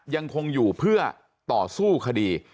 ยังคงอยู่เพื่อต่อสู้คดี